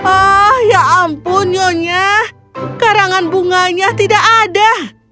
oh ya ampun nyonya karangan bunganya tidak ada